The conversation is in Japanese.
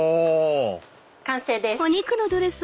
完成です。